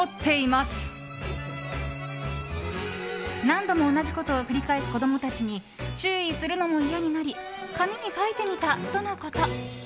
何度も同じことを繰り返す子供たちに注意するのも嫌になり紙に書いてみたとのこと。